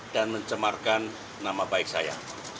dan mencemarkan nama baik saya